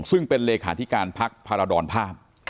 ซึ่งเป็นเลขาธิการพักพาราดรภาพ